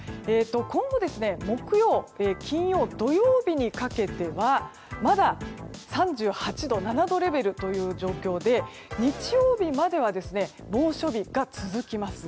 今後、木曜、金曜土曜日にかけてはまだ３８度、７度レベルという状況で日曜日までは猛暑日が続きます。